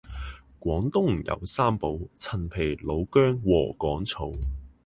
廣東有三寶陳皮老薑禾桿草